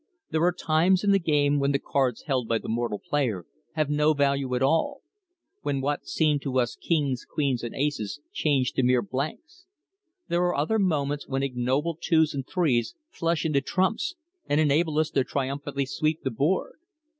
There are times in the game when the cards held by the mortal player have no value at all, when what seem to us kings, queens, and aces change to mere blanks; there are other moments when ignoble twos and threes flush into trumps and enable us to triumphantly sweep the board.